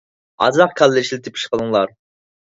ئازراق كاللا ئىشلىتىپ ئىش قىلىڭلار!